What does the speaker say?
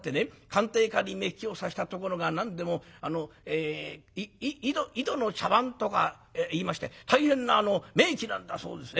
鑑定家に目利きをさせたところが何でも『井戸の茶碗』とかいいまして大変な名器なんだそうです。